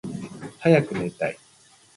はやくねたい